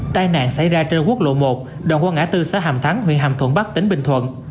tai nạn xảy ra trên quốc lộ một đoạn qua ngã tư xã hàm thắng huyện hàm thuận bắc tỉnh bình thuận